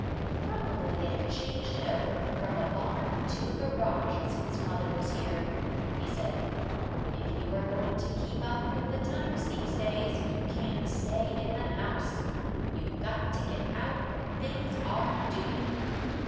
"Probably they have changed it over from a barn to a garage since mother was here," he said; "if you are going to keep up with the times these days you can't stay in the house; you've got to get out where things are doing."